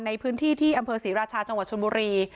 ในพื้นที่ที่อำเภอศรีราชาจังหวัดชนบุรี